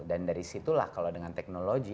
dan dari situlah kalau dengan teknologi